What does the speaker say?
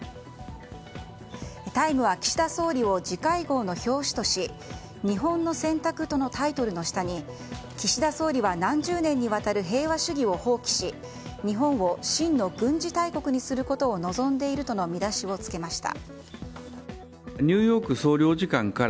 「タイム」は岸田総理を次回号の表紙とし「日本の選択」とのタイトルの下に岸田総理は何十年にわたる平和主義を放棄し日本を真の軍事大国にすることを望んでいるとの見出しを付けました。